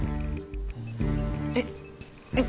えっえっ？